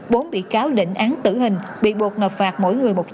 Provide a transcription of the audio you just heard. bốn biệt cáo định án tử hình bị buộc nợp phạt mỗi người một trăm linh triệu đồng